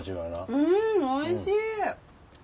うんおいしい！